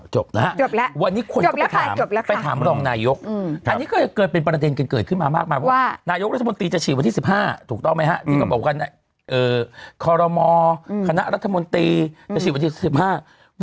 จบแล้วค่ะจบแล้วค่ะจบแล้วค่ะจบแล้วค่ะวันนี้คนก็ไปถามไปถามรองนายก